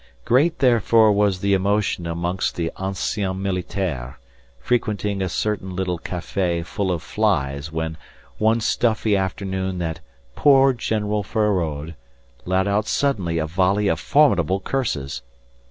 Great therefore was the emotion amongst the anciens militaires frequenting a certain little café full of flies when one stuffy afternoon "that poor General Feraud" let out suddenly a volley of formidable curses.